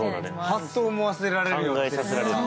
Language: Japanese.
ハッ！と思わせられるような。